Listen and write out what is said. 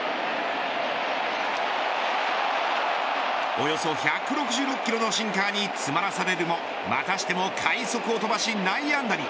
およそ１６６キロのシンカーに詰まらされるもまたしても快足を飛ばし内野安打に。